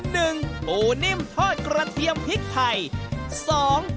ปูนิ่มทอดกระเทียมพริกไทยสอง